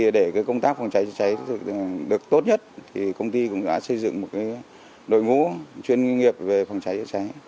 để công tác phòng cháy chữa cháy được tốt nhất công ty cũng đã xây dựng một đội ngũ chuyên nghiệp về phòng cháy chữa cháy